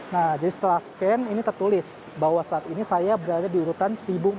nah jadi setelah scan ini tertulis bahwa saat ini saya berada di urutan seribu empat ratus